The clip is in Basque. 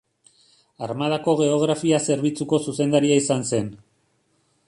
Armadako geografia zerbitzuko zuzendaria izan zen.